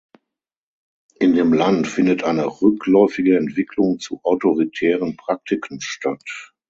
In dem Land findet eine rückläufige Entwicklung zu autoritären Praktiken statt.